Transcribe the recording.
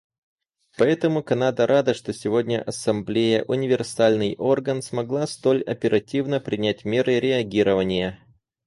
Поэтому Канада рада, что сегодня Ассамблея, универсальный орган, смогла столь оперативно принять меры реагирования.